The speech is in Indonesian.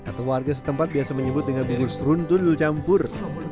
atau warga setempat biasa menyebut dengan bubur seruntun campur